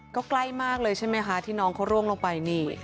ก็ใกล้มากเลยใช่ไหมคะที่น้องเขาร่วงลงไปนี่